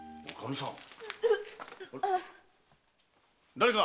誰か！